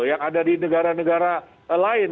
yang ada di negara negara lain